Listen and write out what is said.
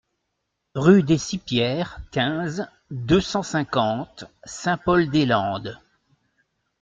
Rue des Cipières, quinze, deux cent cinquante Saint-Paul-des-Landes